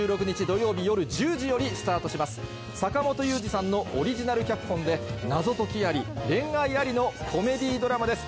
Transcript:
土曜日夜１０時よりスタートします坂元裕二さんのオリジナル脚本で謎解きあり恋愛ありのコメディードラマです